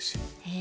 え。